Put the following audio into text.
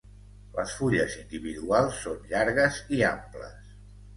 Les fulles individuals són llargues i amples.